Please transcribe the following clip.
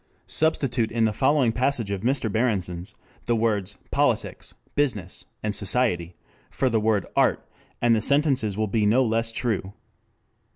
Substitute in the following passage of Mr. Berenson's the words 'politics,' 'business,' and 'society,' for the word 'art' and the sentences will be no less true